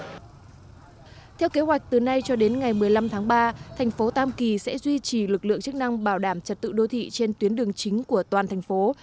theo kế hoạch từ nay cho đến ngày một mươi năm tháng ba thành phố tam kỳ sẽ duy trì lực lượng chức năng bảo đảm trật tự đô thị trên tuyến đường chính của toàn thành phố